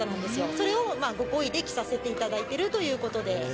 それをご厚意で着させていただいているということで。